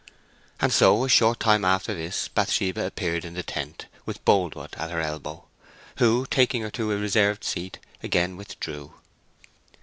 And so a short time after this Bathsheba appeared in the tent with Boldwood at her elbow, who, taking her to a "reserved" seat, again withdrew.